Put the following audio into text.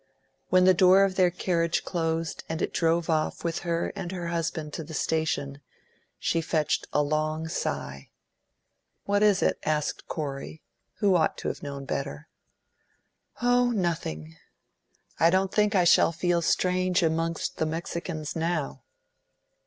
When the door of their carriage closed and it drove off with her and her husband to the station, she fetched a long sigh. "What is it?" asked Corey, who ought to have known better. "Oh, nothing. I don't think I shall feel strange amongst the Mexicans now."